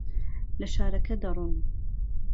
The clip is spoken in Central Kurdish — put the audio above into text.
لە شارەکە دەڕۆم.